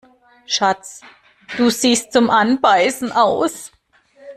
Schatz, du siehst zum Anbeißen aus!